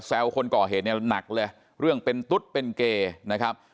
คนก่อเหตุเนี่ยหนักเลยเรื่องเป็นตุ๊ดเป็นเกย์นะครับ